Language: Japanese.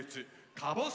かぼす！